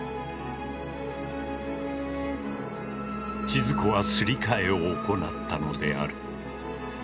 千鶴子はすり替えを行ったのである。